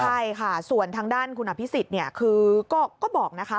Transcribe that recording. ใช่ค่ะส่วนทางด้านคุณอภิษฎเนี่ยคือก็บอกนะคะ